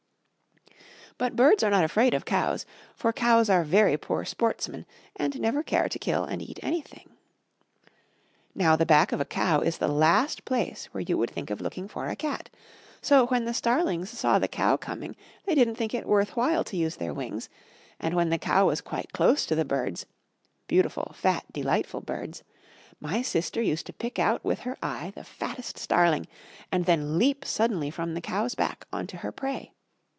But birds are not afraid of cows, for cows are very poor sportsmen, and never care to kill and eat anything. Now the back of a cow is the last place where you would think of looking for a cat; so when the starlings saw the cow coming, they didn't think it worth while to use their wings, and when the cow was quite close to the birds beautiful, fat, delightful birds my sister used to pick out with her eye the fattest starling, and then leap suddenly from the cow's back on to her prey.